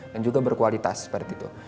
dan juga berkualitas seperti itu